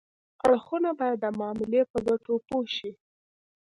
اړخونه باید د معاملې په ګټو پوه شي